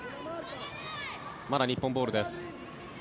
まだ日本ボールです。